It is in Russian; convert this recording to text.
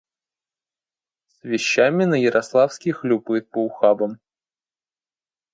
С вещами на Ярославский хлюпает по ухабам.